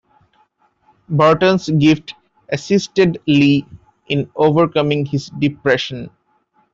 Burton's gift assisted Lee in overcoming his depression.